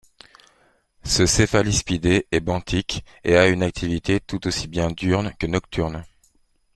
Ce Cephalaspidé est benthique et a une activité tout aussi bien diurne que nocturne.